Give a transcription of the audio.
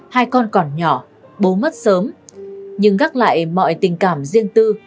hai con còn nhỏ bố mất sớm nhưng gác lại mọi tình cảm riêng tư